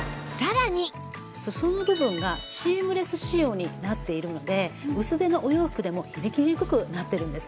すその部分がシームレス仕様になっているので薄手のお洋服でも響きにくくなってるんですね。